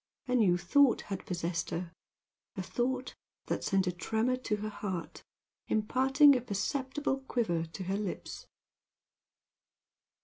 A new thought had possessed her a thought that sent a tremor to her heart, imparting a perceptible quiver to her lips.